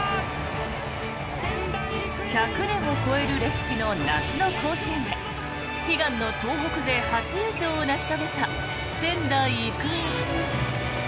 １００年を超える歴史の夏の甲子園で悲願の東北勢初優勝を成し遂げた仙台育英。